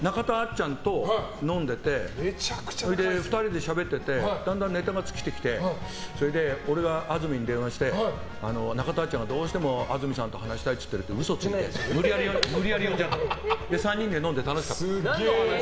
ちゃんと飲んでて２人でしゃべっててだんだんネタが尽きてきて安住に電話して中田あっちゃんがどうしても安住さんと話したいって言ってるって嘘ついて無理やり呼んで３人で飲んで楽しかった。